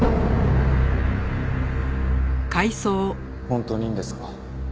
本当にいいんですか？